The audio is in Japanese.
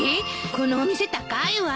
このお店高いわ。